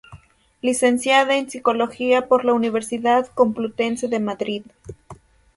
Licenciada en Psicología por la Universidad Complutense de Madrid.